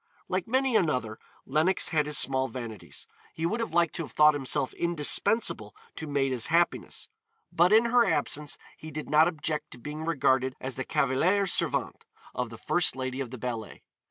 Like many another, Lenox had his small vanities; he would have liked to have thought himself indispensable to Maida's happiness, but in her absence he did not object to being regarded as the cavaliere servente of the first lady of the ballet.